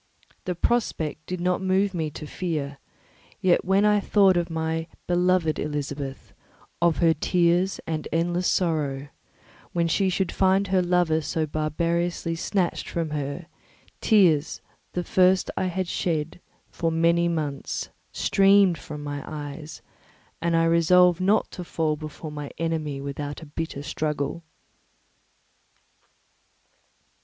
The prospect did not move me to fear; yet when I thought of my beloved Elizabeth, of her tears and endless sorrow, when she should find her lover so barbarously snatched from her, tears, the first I had shed for many months, streamed from my eyes, and I resolved not to fall before my enemy without a bitter struggle.